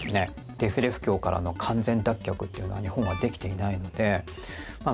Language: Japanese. デフレ不況からの完全脱却というのは日本はできていないのでまあ